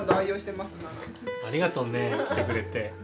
ありがとね着てくれて。